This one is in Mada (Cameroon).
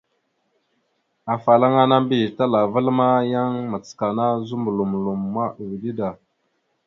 Afalaŋa mbiyez talaval ma, yan macəkana zuməɓlom loma, ʉde da.